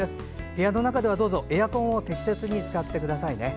部屋の中ではエアコンを適切に使ってくださいね。